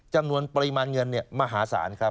จำนวนปริมาณเงินมหาศาลครับ